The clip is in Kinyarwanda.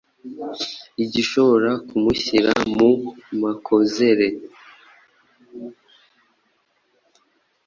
igishobora kumushyira mu makozere